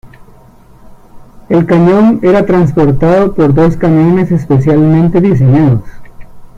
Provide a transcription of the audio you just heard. El cañón era transportado por dos camiones especialmente diseñados.